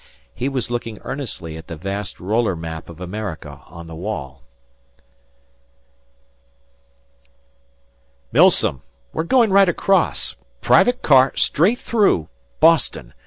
He was looking earnestly at the vast roller map of America on the wall. "Milsom, we're going right across. Private car straight through Boston.